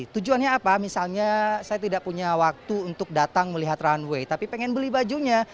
tujuannya apa misalnya saya tidak punya waktu untuk datang melihat runway tapi pengen beli bajunya